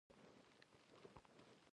چې کور کې مې ناست نه وای کنه.